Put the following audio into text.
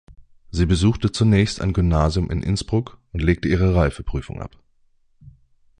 Sie besuchte zunächst ein Gymnasium in Innsbruck und legte ihre Reifeprüfung ab.